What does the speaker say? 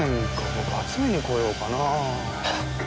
僕集めに来ようかな。